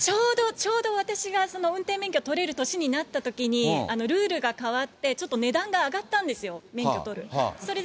ちょっと私がその運転免許が取れる年になったときに、ルールが変わってちょっと値段が上がったんですよ、免許取る。